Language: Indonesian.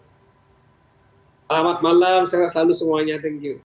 selamat malam sehat selalu semuanya thank you